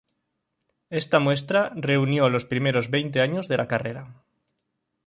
Esta muestra reunió los primeros veinte años de la carrera.